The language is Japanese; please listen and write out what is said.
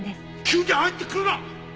急に入ってくるな！